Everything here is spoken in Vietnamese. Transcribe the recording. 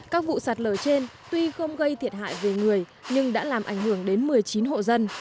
các vụ sạt lở trên tuy không gây thiệt hại về người nhưng đã làm ảnh hưởng đến một mươi chín hộ dân